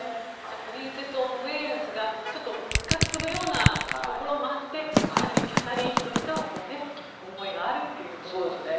プリンセス・オブ・ウェールズが復活するようなところもあってやはりキャサリン妃としては思いがあるということですね。